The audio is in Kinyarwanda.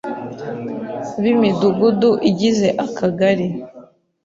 b’Imidugudu igize Akagari.